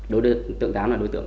đối tượng tám là đối tượng